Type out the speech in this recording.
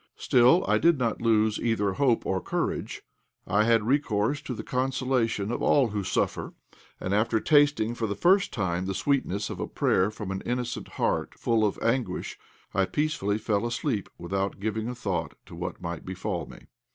Still I did not lose either hope or courage. I had recourse to the consolation of all who suffer, and, after tasting for the first time the sweetness of a prayer from an innocent heart full of anguish, I peacefully fell asleep without giving a thought to what might befall me.